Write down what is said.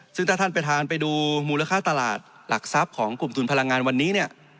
ซึ่งถ้าท่านประธานไปดูมูลค่าตลาดหลักทรัพย์ของกลุ่มทุนพลังงานวันนี้เนี่ย